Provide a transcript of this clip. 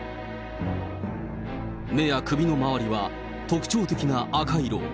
目や首の周りは特徴的な赤色。